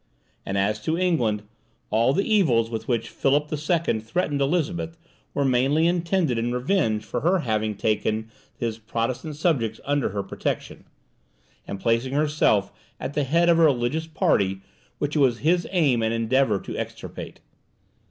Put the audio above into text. And as to England, all the evils with which Philip the Second threatened Elizabeth, were mainly intended in revenge for her having taken his Protestant subjects under her protection, and placing herself at the head of a religious party which it was his aim and endeavour to extirpate.